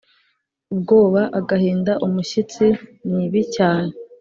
ubwoba agahinda umushyitsi nibicyane